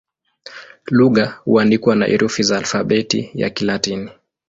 Lugha huandikwa na herufi za Alfabeti ya Kilatini.